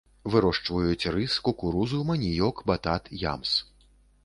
Вырошчваюць рыс, кукурузу, маніёк, батат, ямс.